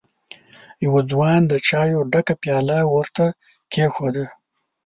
يوه ځوان د چايو ډکه پياله ور ته کېښوده.